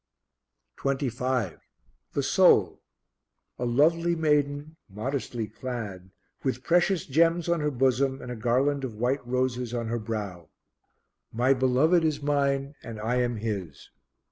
25. The Soul. A lovely maiden, modestly clad, with precious gems on her bosom and a garland of white roses on her brow: "My Beloved is mine and I am His."